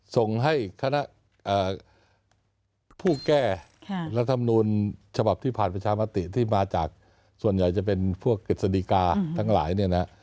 ส่งให้คณะผู้แก้รัฐมนูลฉบับที่ผ่านประชามติที่มาจากส่วนใหญ่จะเป็นพวกกฤษฎีกาทั้งหลายเนี่ยนะ